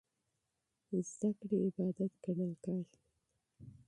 علم عبادت ګڼل کېږي.